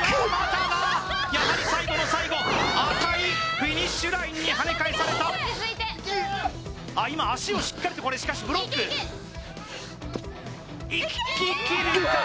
ただやはり最後の最後赤いフィニッシュラインにはね返されたあ今足をしっかりとこれしかしブロックいききるか？